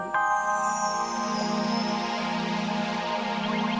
dia nggak pernah bilang kan bahwa dia mau mencari rino